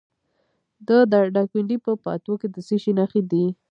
د دایکنډي په پاتو کې د څه شي نښې دي؟